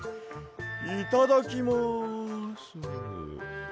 いただきます。